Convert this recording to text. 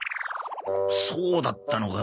そうだったのか。